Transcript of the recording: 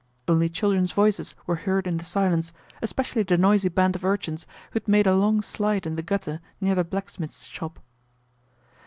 Only children's voices were heard in the silence, especially the noisy band of urchins who had made a long slide in the gutter near the blacksmith's shop.